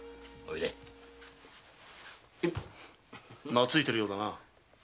なついているようだな。